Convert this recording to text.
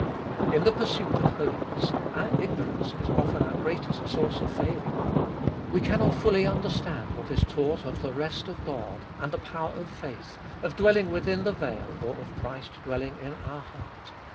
In the pursuit of holiness our ignorance is often our greatest source of failure. We cannot fully understand what is taught of the rest of God, and the power of faith, of dwelling within the veil or of Christ dwelling in our heart.